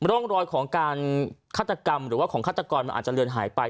ร่องรอยของการฆาตกรรมหรือว่าของฆาตกรมันอาจจะเลือนหายไป